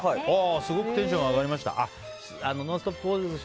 すごくテンションが上がりました。